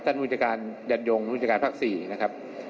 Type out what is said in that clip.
ท่านบุญจการยันยงบุญจการภาค๔นะครับ